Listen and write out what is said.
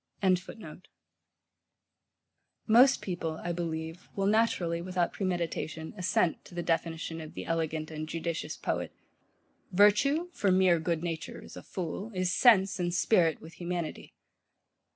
] Most people, I believe, will naturally, without premeditation, assent to the definition of the elegant and judicious poet: Virtue (for mere good nature is a fool) Is sense and spirit with humanity.